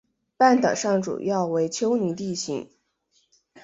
半岛上主要为丘陵地形。